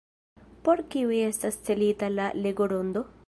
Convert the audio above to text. Por kiuj estas celita la legorondo?